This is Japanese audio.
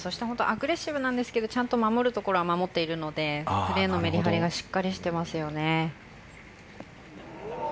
アグレッシブなんですけどちゃんと守るところは守っているのでプレーのメリハリがしっかりしていますよね。